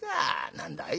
何だい